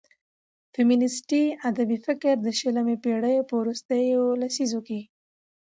فيمينستي ادبي فکر د شلمې پېړيو په وروستيو لسيزو کې